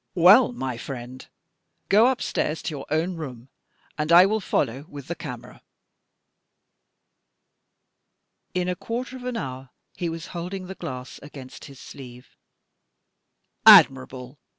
"Well, my friend, go upstairs to your own room, and I will follow with the camera." In a quarter of an hour he was holding the glass against his sleeve. "Admirable!"